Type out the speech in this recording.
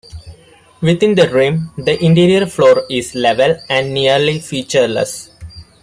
Within the rim, the interior floor is level and nearly featureless.